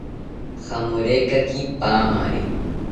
Jamorekaki paamari